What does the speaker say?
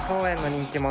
人気者